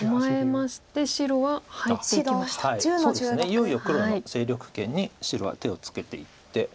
いよいよ黒の勢力圏に白は手をつけていって。